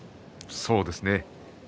そうですね。